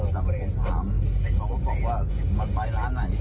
แต่ผมถามเขาก็บอกว่ามันไปร้านไหนมันก็เป็นอย่างงี้